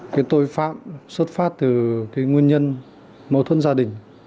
cái tội phạm xuất phát từ cái nguyên nhân mâu thuẫn gia đình